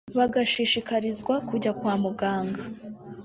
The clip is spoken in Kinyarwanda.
bagashishikarizwa kujya kwa muganga